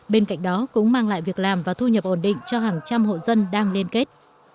bên cạnh đó cũng mang lại việc làm và thu nhập ổn định cho hàng trăm hộ dân đang liên kết